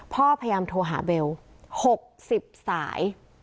พยายามโทรหาเบล๖๐สาย